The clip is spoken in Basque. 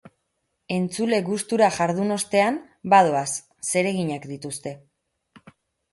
Entzule gustura jardun ostean, badoaz, zereginak dituzte.